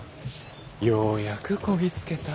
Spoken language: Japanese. ようやくこぎ着けた。